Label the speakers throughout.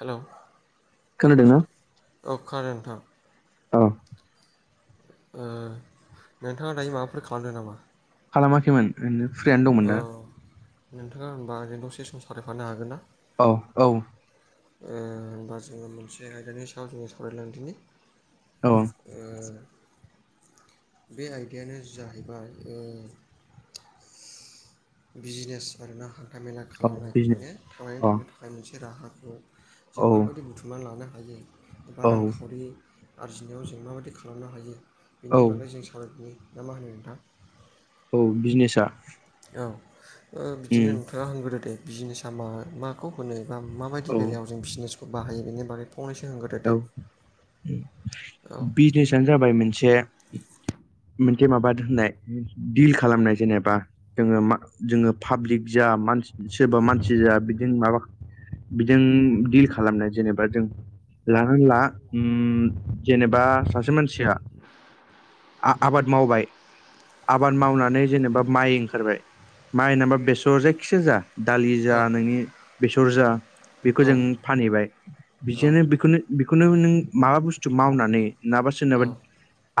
Speaker 1: हेल' औ
Speaker 2: खोनादोंना?
Speaker 1: खोनादों नोंथां।
Speaker 2: अ
Speaker 1: ओ नोंथाङा दायो माबाफोर खालामदों नामा?
Speaker 2: खालामाखैमोन। ओरैनो फ्रियानो दं
Speaker 1: औ नोंथाङा होनबा आंजों दसे सम सावरायफानो हागोन ना।
Speaker 2: औ औ।
Speaker 1: ओ होनबा जोङो मोनसे आयदानि सायाव जोङो सावरायलायदिनि
Speaker 2: औ
Speaker 1: ओ बे आयदायानो जाहैबाय ओ बिजनेस आरोना हान्था मेला
Speaker 2: औ
Speaker 1: खालामनाय
Speaker 2: बिजनेस
Speaker 1: माने थांनानै
Speaker 2: अ
Speaker 1: थानो थाखाय मोनसे राहाखौ
Speaker 2: औ
Speaker 1: जों माबायदि बुथुमनानै लानो हायो एबा
Speaker 2: औ
Speaker 1: रांखावरि आरजिनायाव जों माबायदि खालामनो हायो
Speaker 2: औ
Speaker 1: बेनि बागै जों सावरायदोनि ना मा होनो नोंथां।
Speaker 2: औ बिजनेसा
Speaker 1: औ ओ बिदिनो
Speaker 2: उम
Speaker 1: नोंथाङा हग्रोदो दे बिजिनेसा मा मा खौ होनो बा माबायदि
Speaker 2: औ
Speaker 1: बेलायाव जों बिजनेसखौ बाहायो बेनि बागै। फंनैसो होनगोरदो दे
Speaker 2: औ
Speaker 1: औ
Speaker 2: बिजनेसानो जाबाय मोनसे मोनसे माबा होननाय दिल खालामनाय जेनेबा जोङो मा जोङो फाब्लिक जा सोरबा मानसि जाया बिदिनो माबा बिदों दिल खालामनाय जेनेबा जों लाहां ला उम जेनेबा सासे मानसिया आ आबाद मावबाय आबाद मावनानै जेनेबा माइ ओंखारबाय माइ होनोबा बेसर जायखिजाया जा दालि
Speaker 1: औ
Speaker 2: जा नोंनि बेसर जा
Speaker 1: औ
Speaker 2: बेखौ जों फानहैबाय
Speaker 1: औ
Speaker 2: बिनो बेखौ बेखौनो नों माबा बुस्थु मावनानै नाबा
Speaker 1: औ
Speaker 2: सोरनाबा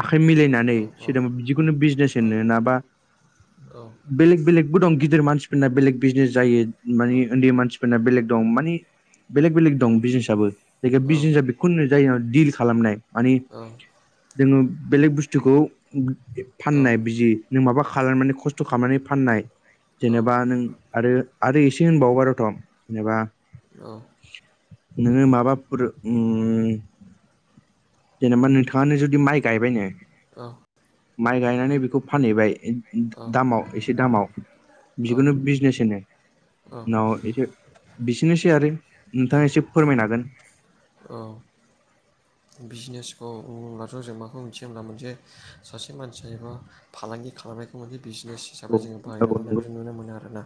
Speaker 2: आखाइ मिलायनानै
Speaker 1: औ औ
Speaker 2: सोरदोंबा बिदिखौनो बिजनेस
Speaker 1: औ
Speaker 2: होनो नाबा
Speaker 1: औ
Speaker 2: बेलेग बेलेगबो दं गिदिर मानसिफोरना बेलेग बिजनेस जायो मानि उन्दै मानसिफोरना बेलेग दं माने बेलेग बेलेग दं बिजनेसआबो बिजनेसा बेखौनो होननाय जायो दिल खालामनाय माने
Speaker 1: औ
Speaker 2: जोङो बेलेग बुस्थुखौ फाननाय बिजि नों माबा खालामनानै खस्थ' खालामनानै फाननाय जेनेबा नों आरो आरो एसे होनबावोबा रथ'म जेनेबा
Speaker 1: औ।
Speaker 2: नोङो माबा फोरो उम जेनेबा नोंथाङानो जुदि माइ गायबायनो
Speaker 1: औ
Speaker 2: माइ गायनानै बेखौ फानहैबाय दामाव एसे दामाव बिखौनो बिजनेस होनो।
Speaker 1: औ
Speaker 2: उनाव एसे बिसनोसै आरो नोंथाङा एसे फोरमायनो हागोन।
Speaker 1: औ बिजनेसखौ बुङोब्लाथ' जों माखौ मिथियो होनब्ला मोनसे सासे मानसिया एबा फालांगि खालामनायखौ मोनसे बिजनेस
Speaker 2: औ
Speaker 1: हिसाबै जोङो बाहाय
Speaker 2: औ नंगौ
Speaker 1: जालांनायखौ जों नुनो मोनो आरोना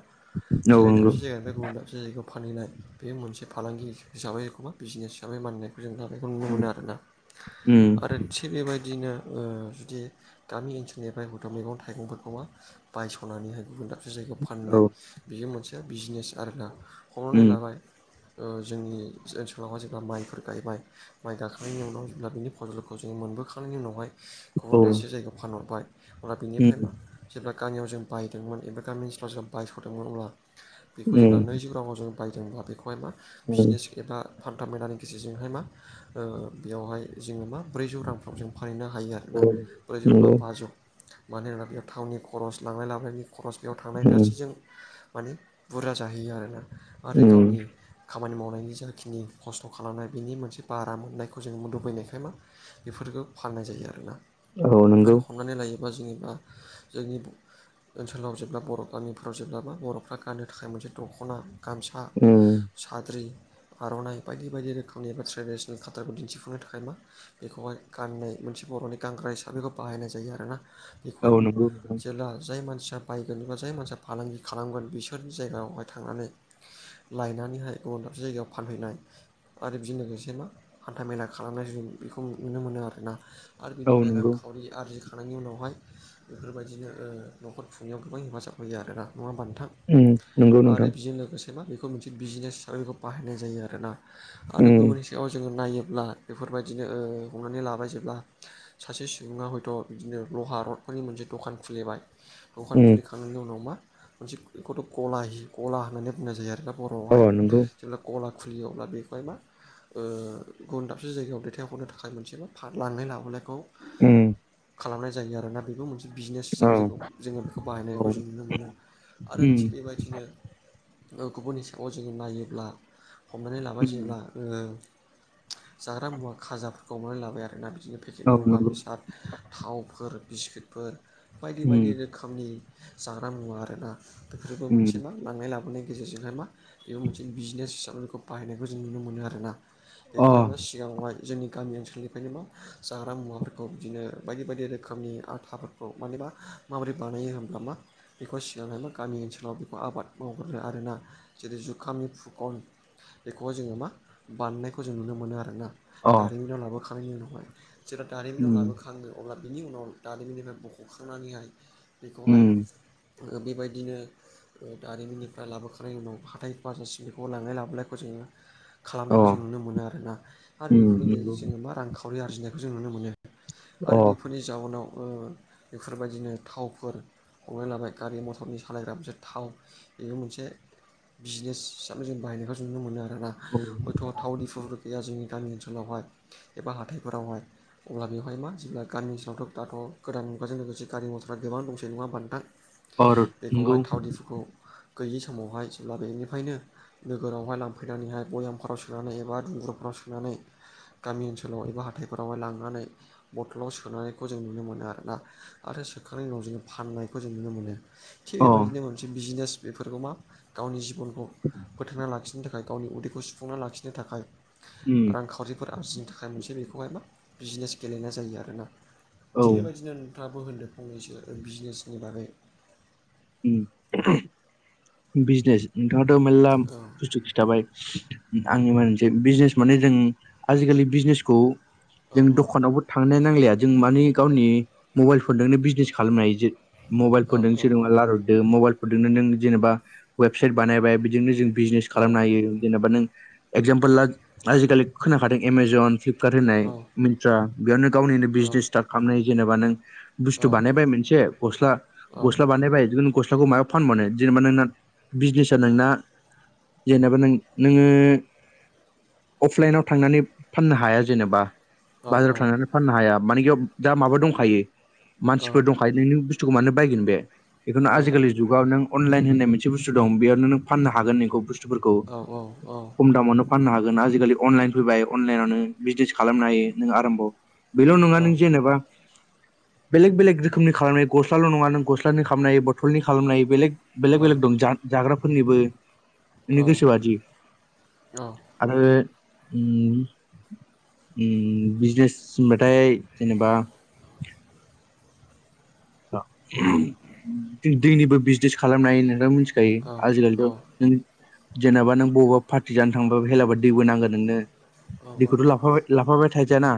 Speaker 2: औ
Speaker 1: से
Speaker 2: नंगौ
Speaker 1: दाबसे जायगानिफ्राय गुबुन दा जि जायगायाव फानहैनाय बेयो मोनसे फालांगि हिसाबै एखमबा बिजनेस हिसाबै मानिनाय जों दा बेखौ नुनो मोनो आरोना
Speaker 2: उम
Speaker 1: आरो थिग बेबायदिनो ओ बिदि गामि ओनसोलनिफ्राय हुदा मैगं थाइगंफोरखौ मा बायस'नानैहाय गुबुना से जायगायाव
Speaker 2: औ
Speaker 1: फाननाय बियो मोनसे बिजनेस आरोना। हमनानै
Speaker 2: उम
Speaker 1: लाबाय ओ जोंनि ओनसोलावहा जेब्ला माइफोर गायबाय माइ गाखांनायनि उनाव अब्ला बिनि फजलखौ जोङो मोनबोखांनायनि उनावहाय
Speaker 2: औ
Speaker 1: गुबुन दाबसे जायगायाव फानहरबाय। अब्ला बेनिफ्राय मा
Speaker 2: उम
Speaker 1: जेब्ला गामियाव जों बायदोंमोन एबा गामि ओनसोलाव जे बायस'दोंमोन अब्ला बेखौ जेब्ला
Speaker 2: उम
Speaker 1: नैजौ राङाव जों बायदोंब्ला बेखौहाय मा
Speaker 2: औ
Speaker 1: बिजनेस एबा हान्था मेलानि गेजेरजोंहाय मा ओ बेयावहाय जोङो मा ब्रैजौ रांफ्राव जों फानहैनो हायो आरोना।
Speaker 2: औ
Speaker 1: ब्रैजौ एबा
Speaker 2: नंगौ
Speaker 1: बाजौ मानो होनोब्ला बेयाव थावनि खरस लांलाय लाबलायनायनि खरस बेयाव थांनाय
Speaker 2: उम
Speaker 1: गासै जों माने बुरजा जाहैयो आरोना आरो
Speaker 2: उम
Speaker 1: गावनि खामानि मावनायनि जाखिनि खस्थ' खालामनाय बिनि मोनसे बारा मोननायखौ जोङो लुबैनाय निफ्राय मा बेफोरखौ फालिनाय जायो आरोना।
Speaker 2: औ नोंगौ।
Speaker 1: आरो हमनानै लायोबा जेनेबा जोंनि ओनसोलाव जेब्ला बर' गामिफोराव जेब्ला मा बर'फ्रा गाननो थाखाय मोनसे दख'ना गामसा
Speaker 2: उम
Speaker 1: साद्रि आर'नाइ बायदि बायदि रोखोमनि एबा ट्रेडिसनेल खाथारखौ दिन्थिफुंनो थाखाय मा बेखौहाय [unintelligible] मोनसे बर'नि [unintelligible] हिसाबैखौ बाहायनाय जायो आरोना।
Speaker 2: औ
Speaker 1: बेखौहाय
Speaker 2: नंगौ नोंथां
Speaker 1: जेला जाय मानसिया बायगोन एबा जाय मानसिया फालांगि खालामगोन बिसोरनि जायगायावहाय थांनानै लायनानैहाय गुबुन दाबसे जायगायाव फानहैनाय आरो बिजों लोगोसे मा हान्था मेला खालामनाय बेखौ नुनो मोनो आरोना आरो
Speaker 2: औ
Speaker 1: बेनिफ्राय
Speaker 2: नंगौ
Speaker 1: रांखावरि आरजिखांनायनि उनावहाय बेफोरबायदिनो ओ न'खर खुंनायाव गोबां हेफाजाब होयो आरोना नङा होमबा नोंथां?
Speaker 2: उम नंगौ
Speaker 1: आरो
Speaker 2: नोंथां
Speaker 1: बेजों लोगोसे मा बेखौ मोनसे बिजिनेस हिसाबै बेखौ बाहायनाय जायो आरोना। आरो
Speaker 2: उम
Speaker 1: गुबुननि सायाव जोङो नायोब्ला बेफोरबायदिनो ओ हमनानै लाबाय जेब्ला सासे सुबुङा हयथ' बिदिनो लहा रडफोरनि मोनसे दखान खुलिबाय। दखान
Speaker 2: उम
Speaker 1: खुलिखांनायनि उनाव मा मोनसे बेखौथ' गला गला होननानै बुंनाय जायो आरो ना बर'आवहाय
Speaker 2: अ नंगौ
Speaker 1: जेब्ला गला खुलियो अब्ला बेखौहाय मा ओ गुबुन दाबसे जायगायाव दैथाय हरनो थाखाय मोनसे मा लांनाय लाबोलायखौ
Speaker 2: उम
Speaker 1: खालामनाय जायो आरोना बेबो मोनसे बिजनेस
Speaker 2: औ
Speaker 1: हिसाबै जोंखौ जोङो बेखौ
Speaker 2: औ
Speaker 1: बाहायनायखौ जों नुनो मोनो। आरो
Speaker 2: उम
Speaker 1: थिग बेबायदिनो गुबुननि सिगाङाव जोङो नायोब्ला हमनानै लाबाय
Speaker 2: उम
Speaker 1: जेब्ला ओ जाग्रा मुवा खाजाफोरखौ मावनानै लाबाय आरोना बिदिनो पेकेटनि
Speaker 2: औ
Speaker 1: मुवा
Speaker 2: नंगौ
Speaker 1: बेसाद थावफोर बिस्कुटफोर बायदि बायदि।
Speaker 2: उम
Speaker 1: ओंखामनि जाग्रा मुवा आरोना बेफोरबो
Speaker 2: उम
Speaker 1: मोनसे मा लांनाय लाबोनाय गेजेरजोंहाय मा बेबो मोनसे बिजिनेस हिसाबै बेखौ बाहायनायखौ जों नुनो मोनो आरोना।
Speaker 2: अ
Speaker 1: बेखौहाय मा सिगाङावहाय जोंनि गामि ओनसोलनिफ्रायनो मा जाग्रा मुवाफोरखौ बिदिनो बायदि बायदि रोखोमनि आथाफोरखौ मानेबा माबोरै बानायो होमब्ला मा बेखौहाय सिगांनो मा गामि ओनसोलाव बेखौ आबाद मावग्रो आरोना जेरै जुखामनि फुखन बेखौहा जोङो मा बानायनायखौ जों नुनो मोनो आरोना।
Speaker 2: अ
Speaker 1: दारिमिनाव लाबोखांनायनि उनावहाय जेब्ला दारिमिनाव
Speaker 2: उम
Speaker 1: लाबोखाङो। अब्ला बिनि उनाव दारिमिननिफ्राय बख'खांनानैहाय बेखौहाय
Speaker 2: उम
Speaker 1: बेबायदिनो दारिमिननिफ्राय लाबोखांनायनि उनाव हाथाय बाजारसिम बेखौ लांलाय लाबोलायखौ जोङो
Speaker 2: अ
Speaker 1: खालामनायखौ जों नुनो मोनो आरोना। आरो
Speaker 2: उम नंगौ
Speaker 1: गेजेरजों जोङो मा रांखावरि आरजिनायखौ जों नुनो मोनो।
Speaker 2: अ
Speaker 1: आरो बेफोरनि जाउनाव ओ बेफोरबायदिनो थावफोर हमनाय लाबाय गारि मटरनि सालायग्रा मोनसे थाव बेबो मोनसे बिजनेस हिसाबै जों बाहायनायखौ नुनो मोनो आरोना
Speaker 2: औ
Speaker 1: हयथ' थाव दिफु बो गैया जोंनि गामि ओनस ओङावहाय एबा हाथाइफोरावहाय अब्ला बेवहाय मा जिब्ला गामि [unintelligible] थ' गोदान मुगाजों लोगोसे गारि मथरा गोबां दंसै नङा होमबा नोंथां
Speaker 2: अर नंगौ
Speaker 1: बेखौहाय थाव दिफुखौ गैयि समावहाय जेब्ला बेनिफायनो नोगोरावहाय लांफैनानैहाय बयामफाराव सोनानै एबा दुंगुरुफोराव सोननानै गामि ओनसोलाव एबा हाथाइफोरावहाय लांनानै बथलाव सोनायखौ जों नुनो मोनो आरोना आरो सोखांनायनि उनाव जोङो फाननायखौ जों नुनो मोनो थिग
Speaker 2: अ
Speaker 1: एबायदिनो मोनसे बिजिनेस बेफोरखौ मा गावनि जिबनखौ फोथांना लाखिनो थाख फाय गावनि उदैखौ सुफुंना लाखिनो थाखाय
Speaker 2: उम
Speaker 1: रां खा फोर आरजिनो थाखाय मोनसे बेखौहाय मा बिजिनेस गेलेनाय जायो आरोना
Speaker 2: औ
Speaker 1: थिग
Speaker 2: उम
Speaker 1: एबायदिनो थाङाबो होनदो फंनैसो बिजनेसनि बागै
Speaker 2: उम [unintelligible] बिजनेस नोंथाङाथ' मेल्ला
Speaker 1: औ
Speaker 2: बुस्थु खिथाबाय उम आङो मोनसे बिजनेस माने जों आजिखालि बिजनेसखौ
Speaker 1: औ
Speaker 2: जों
Speaker 1: औ
Speaker 2: दखानावबो थांनाय नांलाया जों मानि गावनि मबाइल फनजोंनो बिजनेस खालामनाय जो
Speaker 1: औ
Speaker 2: मबाइलफोर [unintelligible]
Speaker 1: औ
Speaker 2: लारायहरदो मबाइलफोरजोंनो नों जेनेबा वेबसाइट बानायबाय बिदिनो जों बिजनेस खालामनो
Speaker 1: औ
Speaker 2: हायो जेनेबा नों एगजामपोल ला आजिखालि खोनाखादों एमेजन फ्लिप कार होन्नाय मिन्त्रा बेयावनो गावनिनो
Speaker 1: औ
Speaker 2: बिजनेस स्टार्ट खामनाय जेनेबा नों बुस्थु बानायबाय मोनसे गस्ला गस्ला बानायबाय [unintelligible] गस्लाखौ मायाव फानबानो जेनेबा नोंना बिजनेसा नोंना जेनेबा नों नोङो अफलाइनाव थांनानै फाननो हाया जेनेबा बाजाराव थांनानै फाननो हाया मानिखियाव दा माबा दंखायो मानसिफोर दं फायनायनो बुस्थुखौ मानो बायगोन बे बेखौनो आजिखालि जुगाव नों अनलाइन होननाय मोनसे बुस्थु दं बेयावनो नो फाननो हागोन इखौ बुस्थुफोरखौ खम दामावनो फाननो हागोन आजिखालि अनलाइन फैबाय अनलाइनाव नोङो बिजदेस खालामनो हायो नों आराम्भ' बेल' नङा नों जेनेबा बेलेग बेलेग रोखोमनि खालामनाय गस्लाल' नङा नों गस फ्रानि खामनो हायो बथलनि खालामनो हायो बेलेग बेलेग बेलेग दं जा जाग्राफोरनिबो नोंनि गोसो बादि [inaudible] आरो उम उम बिजनेस सिबाथाय जेनेबा [inaudible] [unintelligible] जों दैनिबो बिजनेस खालामनाय नोंथां मिथिखायो आजिखालिथ' नों जेनेबा नों बबावबा पार्टि जानो थांबाबो हेला दैबो नांगोन नोंनो दैखौथ' लाफाबाय लाफाबाय थाजायाना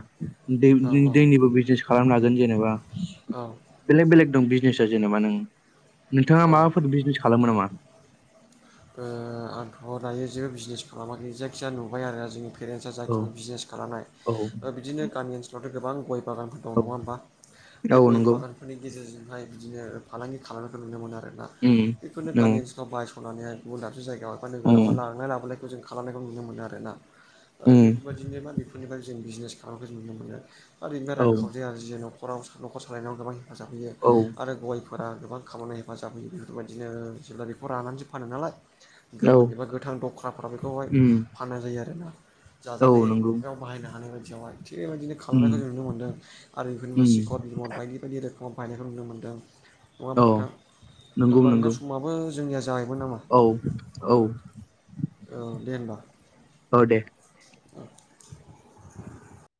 Speaker 2: दै जों दैनिबो बिजनेस खालामनो हागोन जेनेबा
Speaker 1: औ
Speaker 2: बेलेग बेलेग दं बिजनेसा जेनेबा नों नोंथाङा
Speaker 1: औ
Speaker 2: माबाफोर बिजनेस खालामो नामा?
Speaker 1: ओ आंथ' दायो जेबो बिजनेस खालामाखै जायखिजाया नुबाय आरो जोंनि पेरेन्टसा
Speaker 2: औ
Speaker 1: जाखिनि बिजनेस खालामनाय
Speaker 2: औ
Speaker 1: ओ बिदिनो गामि ओनसोलावथ' गोबां गय बागानफोर दं
Speaker 2: औ
Speaker 1: नङा होमबा
Speaker 2: औ नोंगौ
Speaker 1: फोरनि गेजेरजोंहाय बिदिनो फालांगि खालामनायखौ नुनो मोनो आरोना
Speaker 2: उम
Speaker 1: बेफोरनो
Speaker 2: औ
Speaker 1: गामि ओनसोलाव बाय सनानैहाय गुबुन दाबसे जायगायाव एफा नोगोरावहाय
Speaker 2: उम
Speaker 1: लांनाय लाबोनायखौ जों खालामनायखौ नुनो मोनो आरोना आरो
Speaker 2: उम
Speaker 1: बेफोबायदिनो मा बेफोरनिफाय जों बिजनेस खालामनायखौ नुनो मोनो आर इनिफाय
Speaker 2: औ
Speaker 1: रां खावरि आर्जियो न न'खराव न'खर सालायनायाव गोबां हेफाजाब होयो
Speaker 2: औ
Speaker 1: आरो गय फोरा गोबां खामानियाव हेफाजाब होयोबेफोरबायदिनो ओ जेब्ला बेखौ रानानैसो फानो नालाय
Speaker 2: औ
Speaker 1: गोमोन एबा गोथां दख्राफोराव बेखौहाय
Speaker 2: उम
Speaker 1: फाननाय जायो आरोना
Speaker 2: औ नंगौ
Speaker 1: जाजानायाव बाहायनो हानाय बायदियावहाय थिग बेबायदिनो
Speaker 2: उम
Speaker 1: खालामनायखौ जों नुनो मोन्दों आरो [unintelligible] बा
Speaker 2: उम
Speaker 1: सिकर बिमद बायदि बायदि रोखोमाव बायनायखौ नुनो मोनदों नङा होमबा
Speaker 2: औ
Speaker 1: नोंथां?
Speaker 2: नंगौ
Speaker 1: ओनबा नोंथां
Speaker 2: नंगौ
Speaker 1: समाबो जोंनिया जाहैबाय नामा?
Speaker 2: औ औ
Speaker 1: औ दे होमबा
Speaker 2: औ दे
Speaker 1: [inaudible]